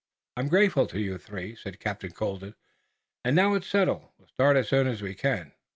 "I'm grateful to you three," said Captain Colden, "and, now that it's settled, we'll start as soon as we can."